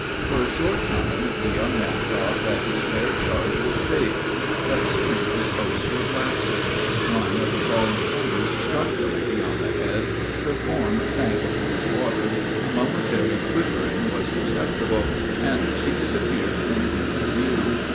For a short time the young man thought that his fair charge was safe; but soon his hopes were blasted one of the fallen timbers struck the lady on the head, her form sank upon the water, a momentary quivering was perceptible, and she disappeared from human view.